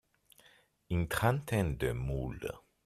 Une trentaine de moules.